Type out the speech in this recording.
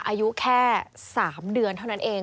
อายุแค่๓เดือนเท่านั้นเอง